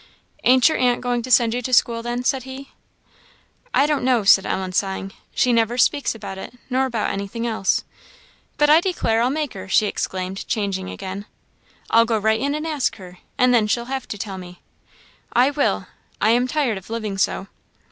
"Ain't your aunt going to send you to school, then?" said he. "I don't know," said Ellen, sighing "she never speaks about it, nor about anything else. But I declare I'll make her!" she exclaimed, changing again. "I'll go right in and ask her, and then she'll have to tell me. I will! I am tired of living so.